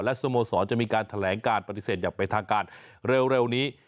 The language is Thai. สโมสรจะมีการแถลงการปฏิเสธอย่างเป็นทางการเร็วนี้